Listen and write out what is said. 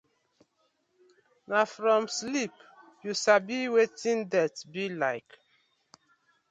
Na from sleep yu sabi wetin death bi like.